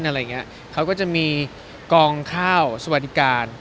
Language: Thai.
อะไรอย่างเงี้ยเขาก็จะมีกองข้าวสวัสดิการ